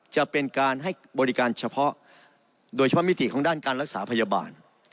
จะเป็นการให้บริการเฉพาะโดยเฉพาะมิติของด้านการรักษาพยาบาล